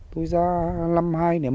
tôi ra năm hai nghìn một mươi